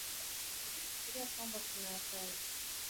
anayefikiri kwamba kuna athari